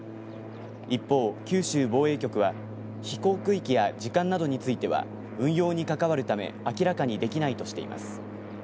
一方、九州防衛局は飛行区域や時間などについては運用に関わるため明らかにできないとしています。